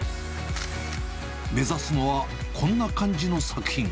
目指すのは、こんな感じの作品。